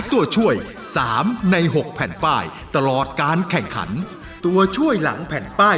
รายการต่อไปนี้เป็นรายการทั่วไปสามารถรับชมได้ทุกวัย